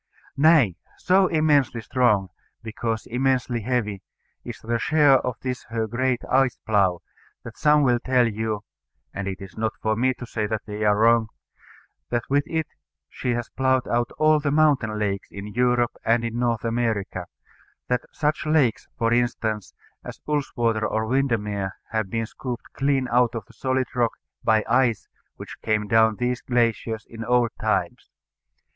Nay, so immensely strong, because immensely heavy, is the share of this her great ice plough, that some will tell you (and it is not for me to say that they are wrong) that with it she has ploughed out all the mountain lakes in Europe and in North America; that such lakes, for instance, as Ullswater or Windermere have been scooped clean out of the solid rock by ice which came down these glaciers in old times.